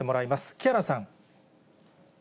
木原さん。